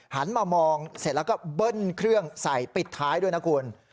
หันมามองเสร็จแล้วก็เบิ้ลเครื่องใส่ปิดท้ายด้วยนะคุณ